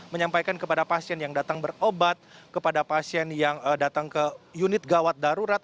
menyampaikan kepada pasien yang datang berobat kepada pasien yang datang ke unit gawat darurat